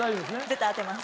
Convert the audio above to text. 絶対当てます。